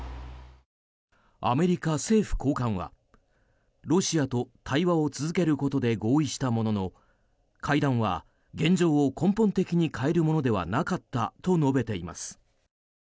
アメリカ政府高官はロシアと対話を続けることで合意したものの会談は現状を根本的に変えるものではなかったと述べています。